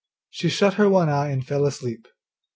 she shut her one eye and fell asleep.